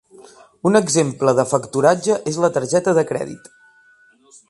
Un exemple de factoratge és la targeta de crèdit.